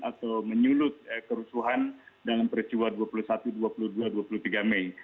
atau menyulut kerusuhan dalam peristiwa dua puluh satu dua puluh dua dua puluh tiga mei